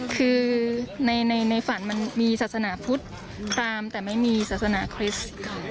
คือในฝันมันมีศาสนาพุทธตามแต่ไม่มีศาสนาคริสต์